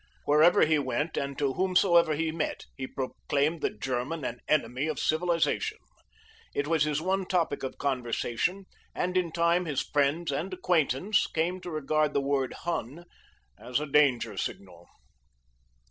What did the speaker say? Wherever he went, and to whomsoever he met, he proclaimed the German an enemy to civilisation. It was his one topic of conversation, and in time his friends and acquaintance came to regard the word "Hun" as a danger signal.